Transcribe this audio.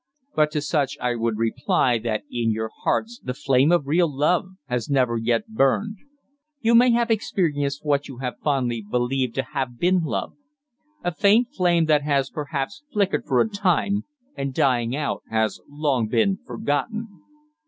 But to such I would reply that in your hearts the flame of real love has never yet burned. You may have experienced what you have fondly believed to have been love a faint flame that has perhaps flickered for a time and, dying out, has long been forgotten.